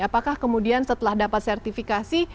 apakah kemudian setelah dapat sertifikasi